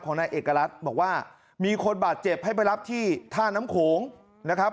นายเอกรัฐบอกว่ามีคนบาดเจ็บให้ไปรับที่ท่าน้ำโขงนะครับ